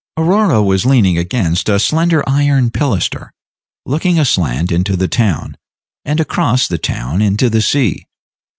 Aurora was leaning against a slender iron pilaster, looking aslant into the town, and across the town into the sea.